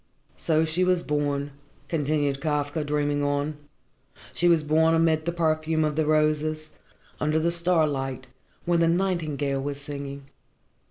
"So she was born," continued Kafka, dreaming on. "She was born amid the perfume of the roses, under the starlight, when the nightingale was singing.